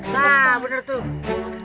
wah bener tuh